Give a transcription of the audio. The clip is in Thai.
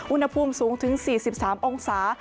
อุณหภูมิสูงถึง๔๓องศา